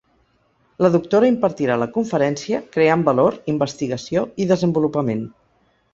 La doctora impartirà la conferència Creant valor, investigació i desenvolupament.